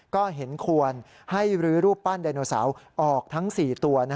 ก็เห็นควรให้รื้อรูปปั้นไดโนเสาร์ออกทั้ง๔ตัว